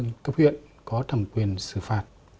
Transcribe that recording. và ủy ban nhân dân cấp huyện có thẩm quyền xử phạt